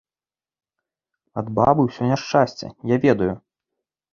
Ад бабы ўсё няшчасце, я ведаю.